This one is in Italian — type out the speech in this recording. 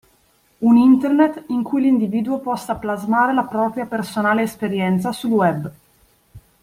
Un Internet in cui l’individuo possa plasmare la propria personale esperienza sul Web.